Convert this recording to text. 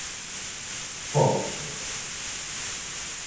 Povero giovane!